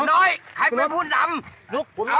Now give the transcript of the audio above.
น้อยใครไม่พูดลำ